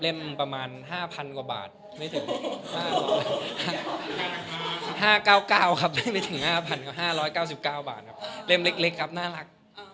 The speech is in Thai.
เล่มประมาณ๕๐๐๐กว่าบาทไม่ถึง๕๙๙ครับเล่มเล็กครับน่ารัก